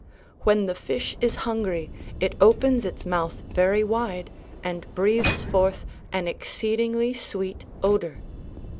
When the fish is hungry it opens its mouth very wide, and breathes forth an exceedingly sweet odor.